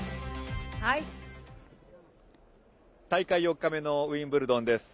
大会４日目のウィンブルドンです。